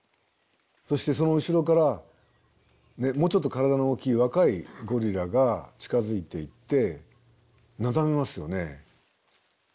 そしてその後ろからもうちょっと体の大きい若いゴリラが近づいていってなだめますよね。